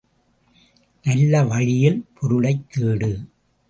நல்ல வழியில் பொருளைத் தேடு.